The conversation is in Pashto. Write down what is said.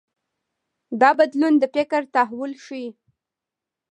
دا بدلون د فکر تحول ښيي.